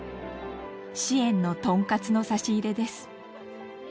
支援のトンカツの差し入れです。